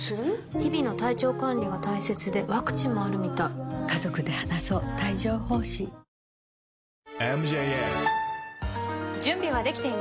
日々の体調管理が大切でワクチンもあるみたい颯という名の爽快緑茶！